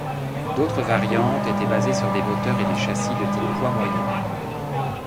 D'autres variantes étaient basées sur des moteurs et des châssis de type poids moyen.